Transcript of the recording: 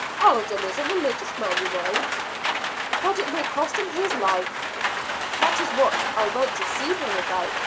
Alden is a religious man, you know!" "But it may cost him his life!" "That is what I went to see him about.